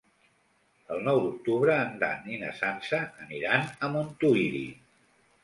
El nou d'octubre en Dan i na Sança aniran a Montuïri.